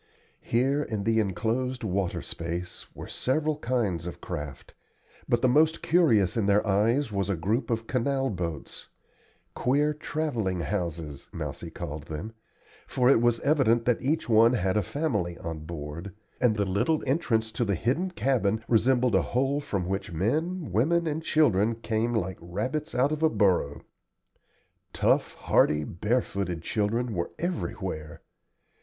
Here in the enclosed water space were several kinds of craft, but the most curious in their eyes was a group of canal boats "queer travelling houses" Mousie called them; for it was evident that each one had a family on board, and the little entrance to the hidden cabin resembled a hole from which men, women, and children came like rabbits out of a burrow. Tough, hardy, barefooted children were everywhere.